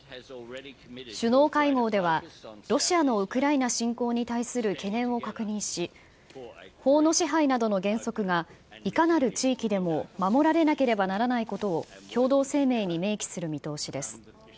首脳会合では、ロシアのウクライナ侵攻に対する懸念を確認し、法の支配などの原則が、いかなる地域でも守られなければならないことを共同声明に明記する見通しです。